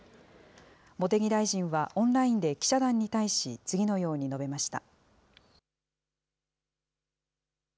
茂木大臣はオンラインで記者団に対し、次のように述べました。